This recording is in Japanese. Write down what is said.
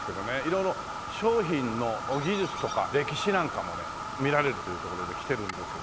色々商品の技術とか歴史なんかもね見られるというところで来てるんですけど。